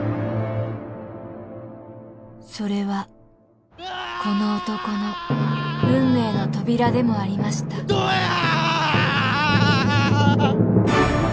それはこの男の運命の扉でもありましたどやあ！